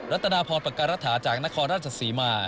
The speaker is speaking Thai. ัตนาพรปการรัฐาจากนครราชศรีมา